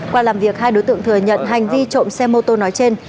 qua làm việc hai đối tượng thừa nhận hành vi trộm xe mô tô nói trên